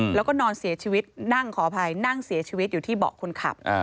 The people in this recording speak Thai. แล้วก็นอนเสียชีวิตนั่งขออภัยนั่งเสียชีวิตอยู่ที่เบาะคนขับ